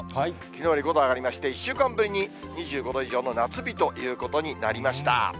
きのうより５度上がりまして、１週間ぶりに２５度以上の夏日ということになりました。